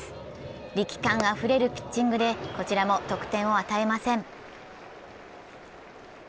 力感あふれるピッチングで、こちらも得点を与えません。